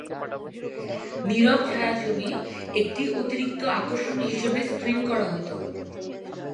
নীরব ছায়াছবি একটি অতিরিক্ত আকর্ষণ হিসাবে স্ক্রিন করা হত।